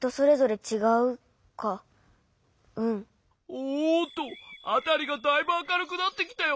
おっとあたりがだいぶあかるくなってきたよ。